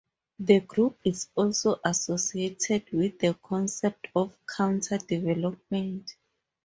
The group is also associated with the concept of Counter-development.